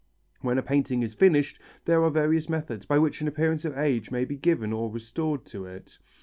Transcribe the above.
When a painting is finished there are various methods by which an appearance of age may be given or restored to it.